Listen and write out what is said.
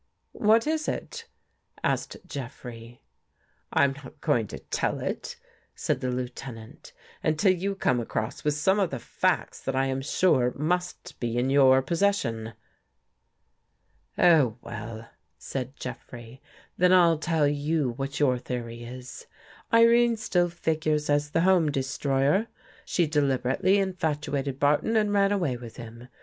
" What is it? " asked Jeffrey. " I'm not going to tell it," said the Lieutenant, " until you come across with some of the facts that I am sure must be in your possession." " Oh, well," said Jeffrey, " then I'll tell you what your theory is. Irene still figures as the home de stroyer. She deliberately infatuated Barton and ran away with him.